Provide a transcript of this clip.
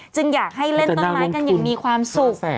อยากให้เล่นต้นไม้กันอย่างมีความสุข